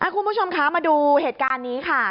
คุณผู้ชมคะมาดูเหตุการณ์นี้ค่ะ